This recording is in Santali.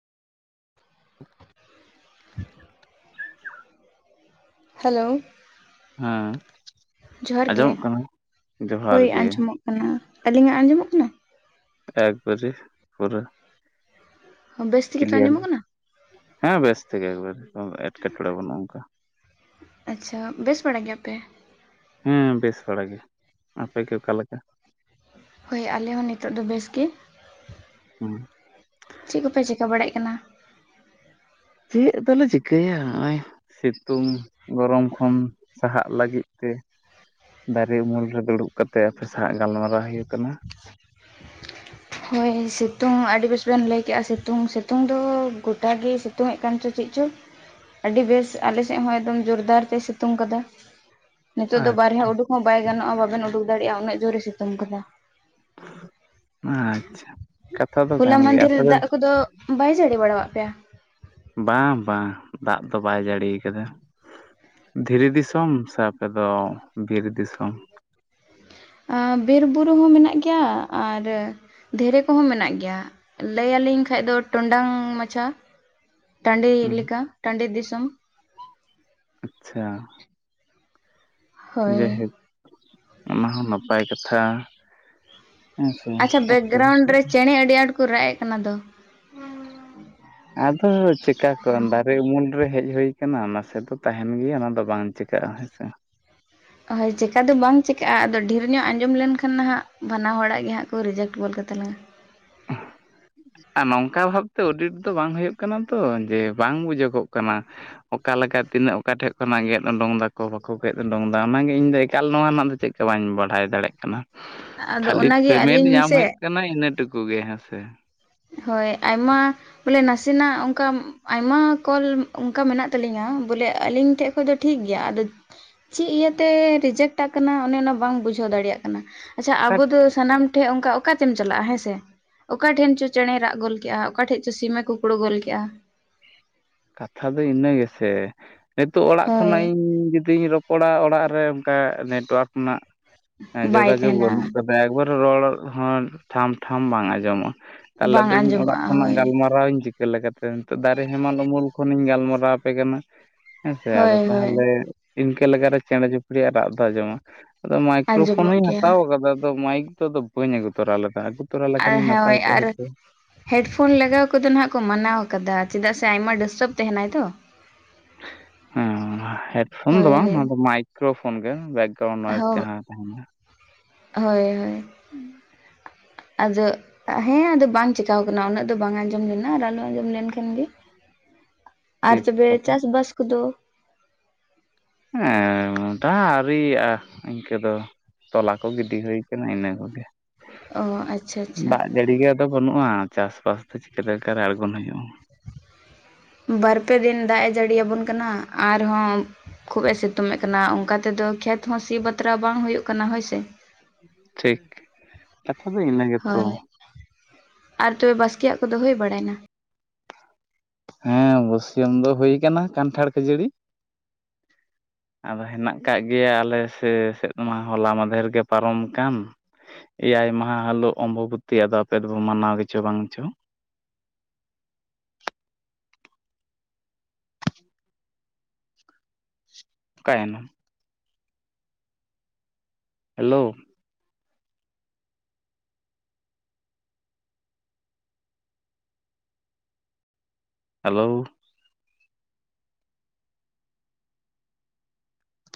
[inaudible] ᱦᱮᱞᱳ ᱦᱮᱸ ᱡᱚᱦᱟᱨ ᱜᱮ ᱟᱸᱡᱚᱢᱚᱜ ᱠᱟᱱᱟ ᱡᱚᱦᱟᱨ ᱦᱳᱭ ᱜᱮ ᱟᱸᱡᱚᱢᱚᱜ ᱠᱟᱱᱟ, ᱟᱹᱞᱤᱧᱟᱜ ᱟᱸᱡᱚᱢᱚᱜ ᱠᱟᱱᱟ? ᱮᱠᱵᱟᱨᱮ ᱯᱩᱨᱟᱹ ᱵᱮᱥ ᱛᱮᱜᱮ ᱛᱚ ᱠᱞᱤᱭᱟᱨ ᱟᱸᱡᱚᱢᱚᱜ ᱠᱟᱱᱟ ᱦᱮᱸ ᱵᱮᱥ ᱛᱷᱮᱠᱮ ᱮᱠᱵᱟᱨ ᱮᱴᱠᱮᱴᱚᱬᱮ ᱵᱟᱹᱱᱩᱜ ᱟᱠᱟᱫᱟ ᱟᱪᱷᱟ ᱵᱮᱥ ᱵᱟᱲᱟ ᱜᱮᱭᱟ ᱯᱮ? ᱦᱮᱸ ᱵᱮᱥ ᱵᱟᱲᱟ ᱜᱮ ᱟᱯᱮᱜᱮ ᱚᱠᱟᱞᱮᱠᱟ? ᱦᱳᱭ ᱟᱞᱮ ᱦᱚᱸ ᱱᱤᱛᱚᱜ ᱫᱚ ᱵᱮᱥ ᱜᱮ ᱾ ᱦᱩᱸ ᱪᱮᱜ ᱠᱚᱯᱮ ᱪᱮᱠᱟᱹ ᱵᱟᱲᱟᱭᱮᱜ ᱠᱟᱱᱟ? ᱪᱮᱫ ᱫᱚᱞᱮ ᱪᱤᱠᱟᱹᱭᱟ ᱦᱚᱜᱼᱚᱭ ᱾ ᱥᱤᱛᱩᱝ ᱜᱚᱨᱚᱢ ᱠᱷᱚᱱ ᱥᱟᱦᱟᱜ ᱞᱟᱹᱜᱤᱫ ᱛᱮ ᱾ ᱫᱟᱨᱮ ᱩᱢᱩᱞ ᱨᱮ ᱫᱩᱲᱩᱵ ᱠᱟᱛᱮᱜ, ᱟᱯᱮ ᱥᱟᱶ ᱜᱟᱞᱢᱟᱨᱟᱣ ᱦᱩᱭᱩᱜ ᱠᱟᱱᱟ ᱾ ᱦᱚᱭ ᱥᱤᱛᱩᱝ ᱟᱹᱰᱤ ᱵᱮᱥ ᱵᱮᱱ ᱞᱟᱹᱭ ᱠᱮᱜᱼᱟ, ᱥᱤᱛᱩᱝ ᱥᱤᱛᱩᱝ ᱫᱚ ᱜᱚᱴᱟᱜᱮ ᱥᱤᱛᱩᱝ ᱥᱤᱛᱩᱝ ᱮ ᱠᱟᱱ ᱪᱚ ᱪᱮᱫ ᱪᱚ ᱟᱹᱰᱤ ᱵᱮᱥ ᱟᱞᱮ ᱥᱮᱫ ᱦᱚᱸ ᱮᱠᱫᱚᱢ ᱡᱳᱨᱫᱟᱨ ᱛᱮᱭ ᱥᱤᱛᱩᱝ ᱠᱟᱫᱟ ᱾ ᱱᱤᱛᱚᱜ ᱫᱚ ᱵᱟᱨᱦᱮ ᱩᱰᱩᱠ ᱦᱚᱸ ᱵᱟᱭ ᱜᱟᱱᱚᱜᱼᱟ᱾ ᱵᱟᱵᱮᱱ ᱩᱰᱩᱠ ᱫᱟᱲᱮᱭᱟᱜᱼᱟ ᱩᱱᱟᱹ ᱡᱳᱨᱮ ᱥᱤᱛᱩᱝ ᱠᱟᱫᱟ ᱾ ᱟᱪᱷᱟ ᱦᱚᱞᱟ ᱢᱫᱷᱮᱨ ᱨᱮ ᱫᱟᱜ ᱠᱚᱫᱚ ᱵᱟᱭ ᱡᱟᱹᱲᱤ ᱵᱟᱲᱟᱣᱟᱫ ᱯᱮᱭᱟ ᱵᱟᱝ ᱵᱟᱝ ᱫᱟᱜ ᱫᱚ ᱵᱟᱭ ᱡᱟᱹᱲᱤ ᱠᱟᱫᱟ ᱾ ᱫᱷᱤᱨᱤ ᱫᱤᱥᱚᱢ ᱥᱮ ᱟᱯᱮᱫᱚ ᱵᱤᱨ ᱫᱤᱥᱚᱢ? ᱵᱤᱨᱵᱩᱨᱩ ᱦᱚᱸ ᱢᱮᱱᱟᱜ ᱜᱮᱭᱟ ᱟᱨ ᱫᱷᱤᱨᱮ ᱠᱚᱦᱚᱸ ᱢᱮᱱᱟᱜ ᱜᱮᱭᱟ, ᱞᱟᱹᱭ ᱟᱹᱞᱤᱧ ᱠᱷᱟᱡ ᱫᱚ ᱴᱚᱱᱰᱟᱝ ᱢᱟᱪᱷᱟ ᱾ ᱴᱟᱺᱰᱤ ᱞᱮᱠᱟ ᱴᱟᱺᱰᱤ ᱫᱤᱥᱚᱢ ᱟᱪᱷᱟ ᱾ ᱦᱳᱭ ᱡᱮᱭᱦᱳᱠ ᱚᱱᱟ ᱦᱚᱸ ᱱᱟᱯᱟᱭ ᱠᱟᱛᱷᱟ ᱾ ᱟᱪᱷᱟ ᱵᱮᱠᱜᱨᱟᱣᱩᱱᱰ ᱨᱮ ᱪᱮᱬᱮ ᱟᱹᱰᱤ ᱟᱸᱴ ᱠᱚ ᱨᱟᱜ ᱮᱜ ᱠᱟᱱᱟ ᱫᱚ? ᱟᱫᱚ ᱪᱮᱠᱟ ᱠᱚ ᱫᱟᱨᱮ ᱩᱢᱩᱞ ᱨᱮ ᱦᱮᱡ ᱦᱩᱭᱩ ᱱᱟᱥᱮ ᱫᱚ ᱛᱟᱦᱮᱸᱱ ᱜᱮᱭᱟ ᱚᱱᱟ ᱫᱚ ᱵᱟᱝ ᱪᱤᱠᱟᱹᱜᱼᱟ ᱦᱮᱸᱥᱮ ᱦᱳᱭ ᱪᱮᱠᱟ ᱫᱚ ᱵᱟᱝ ᱪᱤᱠᱟᱹᱜᱼᱟ ᱟᱫᱚ ᱰᱷᱮᱨ ᱧᱚᱜ ᱟᱸᱡᱚᱢ ᱞᱮᱱᱠᱷᱟᱱ ᱱᱟᱦᱟᱸᱜ ᱵᱟᱱᱟ ᱦᱚᱲᱟᱜ ᱜᱮ ᱦᱟᱸᱜ ᱠᱚ ᱨᱤᱡᱮᱠᱴ ᱜᱚᱫ ᱠᱟᱛᱟ ᱞᱟᱝᱼᱟ ᱟᱨ ᱱᱚᱝᱠᱟ ᱵᱷᱟᱵᱛᱮ ᱚᱰᱤᱴ ᱫᱚ ᱵᱟᱝ ᱦᱩᱭᱩᱜ ᱠᱟᱱᱟ ᱛᱚ, ᱡᱮ ᱵᱟᱝ ᱵᱩᱡᱟᱹᱜᱚᱜ ᱠᱟᱱᱟ ᱾ ᱚᱠᱟ ᱞᱮᱠᱟ ᱛᱤᱱᱟᱹᱜ ᱚᱠᱟ ᱴᱷᱮᱜ ᱠᱷᱚᱱᱟᱜ ᱜᱮᱫ ᱩᱰᱚᱝ ᱫᱟᱠᱚ, ᱵᱟᱠᱚ ᱜᱮᱫ ᱩᱰᱩᱝᱫᱟ ᱚᱱᱟᱜᱮ ᱤᱧ ᱫᱚ ᱮᱠᱟᱞ ᱱᱚᱣᱟ ᱨᱮᱱᱟᱜ ᱫᱚ ᱪᱮᱫ ᱥᱮ ᱵᱟᱹᱧ ᱵᱟᱰᱟᱭ ᱫᱟᱲᱮᱜ ᱠᱟᱱᱟ᱾ ᱟᱫᱚ ᱠᱷᱟᱹᱞᱤ ᱚᱱᱟᱜᱮ ᱯᱮᱢᱮᱱᱴ ᱟᱹᱞᱤᱧ ᱧᱟᱢ ᱥᱮ ᱦᱩᱭᱩᱜ ᱠᱟᱱᱟ ᱤᱱᱟᱹ ᱴᱩᱠᱩ ᱜᱮ ᱦᱮᱸᱥᱮ? ᱦᱚᱭ ᱟᱭᱢᱟ ᱵᱚᱞᱮ ᱱᱟᱥᱮᱱᱟᱜ ᱚᱱᱠᱟᱢ ᱟᱭᱢᱟ ᱠᱚᱞ ᱚᱱᱠᱟ ᱢᱮᱱᱟᱜ ᱛᱟᱞᱤᱧᱟ, ᱵᱚᱞᱮ ᱟᱞᱤᱧ ᱴᱷᱮᱡ ᱠᱷᱚᱡ ᱫᱚ ᱴᱷᱤᱠᱜᱮᱭᱟ ᱟᱫᱚ ᱪᱮᱫ ᱤᱭᱟᱹᱛᱮ ᱨᱮᱡᱮᱠᱴ ᱟᱠᱟᱱᱟ ᱚᱱᱮ ᱚᱱᱟ ᱵᱟᱝ ᱵᱩᱡᱷᱟᱹᱣ ᱫᱟᱲᱮᱭᱟᱜ ᱠᱟᱱᱟ ᱾ ᱟᱪᱷᱟ ᱟᱵᱚ ᱫᱚ ᱥᱟᱱᱟᱢ ᱴᱷᱮᱜ ᱚᱱᱠᱟ ᱚᱠᱟᱛᱮᱢ ᱪᱟᱞᱟᱜᱼᱟ ᱾ ᱦᱮᱸ ᱥᱮᱮ ᱚᱠᱟ ᱴᱷᱮᱱ ᱪᱚ-ᱸ ᱪᱮᱬᱮᱭ ᱨᱟᱜ ᱜᱚᱞ ᱠᱮᱜᱼᱟ, ᱚᱠᱟᱴᱷᱮᱡ ᱪᱚ ᱥᱤᱢᱮ ᱠᱩᱠᱲᱩ ᱜᱚᱞ ᱠᱮᱜᱼᱟ ᱾ ᱠᱟᱛᱷᱟ ᱫᱚ ᱤᱱᱟᱹ ᱜᱮᱥᱮ ᱱᱤᱛᱚᱜ ᱚᱲᱟᱜ ᱦᱳᱭ ᱠᱷᱚᱱᱟᱜ ᱤᱧ ᱡᱩᱫᱤᱧ ᱨᱚ ᱯᱚᱲᱟ ᱚᱲᱟᱜ ᱨᱮ ᱚᱱᱠᱟ ᱱᱮᱴᱚᱣᱟᱨᱠ ᱨᱮᱱᱟᱜ ᱵᱟᱭ ᱡᱳᱜᱟᱡᱳᱜᱽ ᱛᱟᱦᱮᱱᱟ ᱵᱟᱹᱱᱩᱜ ᱟᱠᱟᱫᱟ ᱮᱠᱵᱟᱨ ᱨᱚᱲ ᱦᱚᱸ ᱴᱷᱟᱢ ᱴᱷᱟᱢ ᱵᱟᱝ ᱟᱸᱡᱚᱢᱚᱜᱼᱟ ᱛᱟᱦᱚᱞᱮ ᱵᱟᱝ ᱫᱚ ᱤᱧ ᱚᱲᱟᱜ ᱟᱸᱡᱚᱢᱚᱜᱼᱟ ᱠᱷᱚᱱᱟᱜ ᱦᱳᱭ ᱜᱟᱞᱢᱟᱨᱟᱣᱤᱧ ᱪᱤ ᱪᱤᱠᱟᱹ ᱞᱮᱠᱟᱛᱮ ᱱᱤᱛᱚᱜ ᱫᱟᱨᱮ ᱦᱮᱢᱟᱞ ᱩᱢᱩᱞ ᱠᱷᱚᱱᱤᱧ ᱜᱟᱞᱢᱟᱨᱟᱣ ᱟᱯᱮ ᱠᱟᱱᱟ ᱦᱮᱸᱥᱮ ᱦᱳᱭ ᱟᱫᱚ ᱦᱳᱭ ᱛᱟᱦᱚᱞᱮ ᱤᱱᱠᱟᱹ ᱞᱮᱠᱟᱨᱮ ᱪᱮᱬᱮ ᱪᱩᱯᱲᱤᱭᱟᱜ ᱨᱟᱜ ᱫᱚ ᱟᱸᱡᱚᱢᱟ ᱟᱫᱚ ᱢᱟᱭᱠᱨᱳ ᱯᱷᱳᱱ ᱟᱸᱡᱚᱢᱚᱜ ᱦᱚᱧ ᱜᱮᱭᱟ ᱦᱟᱛᱟᱣ ᱟᱠᱟᱫᱟ ᱟᱫᱚ ᱢᱟᱭᱤᱠ ᱫᱚ ᱟᱫᱚ ᱵᱟᱹᱧ ᱟᱹᱜᱩ ᱛᱚᱨᱟ ᱞᱮᱫᱟ ᱛᱚᱨᱟ ᱟᱨ ᱞᱮᱠᱷᱟᱱᱤᱧ ᱱᱟᱯᱟᱭ ᱦᱳᱭ ᱠᱚᱜᱼᱟ ᱟᱨ ᱦᱚᱭᱛᱚ ᱦᱮᱰᱯᱷᱳᱱ ᱞᱟᱜᱟᱣ ᱠᱚᱫᱚ ᱱᱟᱦᱟᱜ ᱠᱚ ᱢᱟᱱᱟᱣ ᱟᱠᱟᱫᱟ ᱪᱮᱫᱟᱜ ᱥᱮ ᱟᱭᱢᱟ ᱰᱤᱥᱴᱟᱵᱽ ᱦᱮᱸ ᱦᱮᱰᱯᱷᱳᱱ ᱫᱚ ᱵᱟᱝ ᱦᱳᱭ ᱱᱚᱣᱟ ᱫᱚ ᱢᱟᱭᱤᱠ ᱠᱨᱳ ᱯᱷᱳᱱ ᱜᱮ ᱵᱮᱠᱜᱟᱣᱩᱱ ᱱᱚᱭᱮᱥ ᱦᱚᱸ ᱡᱟᱦᱟᱸ ᱛᱟᱦᱮᱱᱟ ᱦᱳᱭ ᱦᱳᱭ ᱟᱫᱚ ᱦᱮᱸ ᱟᱫᱚ ᱵᱟᱝ ᱪᱤᱠᱟᱣ ᱟᱠᱟᱱᱟ ᱩᱱᱟᱹᱜ ᱫᱚ ᱵᱟᱝ ᱟᱸᱡᱚᱢ ᱞᱮᱱᱟ ᱟᱨ ᱟᱞᱚ ᱟᱸᱡᱚᱢ ᱞᱮᱱᱠᱷᱟᱱ ᱜᱮ [inaudible] ᱟᱨ ᱛᱚᱵᱮ ᱠᱟᱛᱷᱟ ᱪᱟᱥ ᱵᱟᱥ ᱠᱚᱫᱚ ᱦᱮᱸ ᱰᱟᱦ ᱟᱹᱨᱤᱭᱟᱜᱼᱟ ᱤᱱᱠᱟᱹ ᱫᱚ ᱛᱚᱞᱟ ᱠᱚ ᱜᱤᱰᱤ ᱦᱩᱭ ᱠᱟᱱᱟ ᱤᱱᱟᱹ ᱠᱚᱜᱮ ᱚ ᱟᱪᱪᱷᱟ ᱟᱪᱪᱷᱟ ᱫᱟᱜ ᱡᱟᱹᱲᱤ ᱜᱮᱫᱚ ᱵᱟᱹᱱᱩᱜᱼᱟ ᱪᱟᱥᱼᱵᱟᱥ ᱫᱚ ᱪᱤᱠᱟᱹᱛᱮᱠᱟᱨ ᱟᱬᱜᱚᱱ ᱦᱩᱭᱩᱜᱼᱟ ᱵᱟᱨ ᱯᱮ ᱫᱤᱱ ᱫᱟᱜ ᱮ ᱡᱟᱹᱲᱤᱭᱟᱵᱚᱱ ᱠᱟᱱᱟ ᱟᱨᱦᱚᱸ ᱠᱷᱩᱵ ᱮ ᱥᱤᱛᱩᱝ ᱮᱫ ᱠᱟᱱᱟ ᱚᱱᱠᱟ ᱛᱮᱫᱚ ᱠᱷᱮᱛ ᱦᱚᱸ ᱥᱤ ᱵᱟᱛᱨᱟ ᱵᱟᱝ ᱦᱩᱭᱩᱜ ᱠᱟᱱᱟ ᱦᱳᱭᱥᱮ ᱴᱷᱤᱠ ᱠᱟᱛᱷᱟ ᱫᱚ ᱤᱱᱟᱹ ᱜᱮᱛᱚ ᱦᱳᱭ ᱟᱨ ᱛᱚᱵᱮ ᱵᱟᱥᱠᱮᱭᱟᱜ ᱠᱚᱫᱚ ᱦᱩᱭ ᱵᱟᱲᱟᱭᱮᱱᱟ ᱦᱮᱸ ᱵᱟᱹᱥᱤᱭᱟᱹᱢ ᱫᱚ ᱦᱩᱭ ᱠᱟᱱᱟ ᱠᱟᱱᱴᱷᱟᱲ ᱠᱷᱟᱹᱡᱟᱹᱲᱤ ᱟᱫᱚ ᱦᱮᱱᱟᱜ ᱠᱟᱜ ᱜᱮᱭᱟ ᱟᱞᱮ ᱥᱮ ᱥᱮᱫᱢᱟ ᱦᱚᱞᱟ ᱢᱟᱫᱷᱮᱨ ᱜᱮ ᱯᱟᱨᱚᱢ ᱟᱠᱟᱱ ᱮᱭᱟᱭ ᱢᱟᱦᱟ ᱦᱤᱞᱳᱜ ᱚᱢᱵᱚᱵᱚᱛᱤ ᱟᱫᱚ ᱟᱯᱮᱫ ᱫᱚᱯᱮ ᱢᱟᱱᱟᱣ ᱜᱮᱪᱚ ᱵᱟᱝᱪᱚ ᱚᱠᱟᱭᱮᱱᱟᱢ ᱦᱮᱞᱳ ᱦᱮᱞᱳ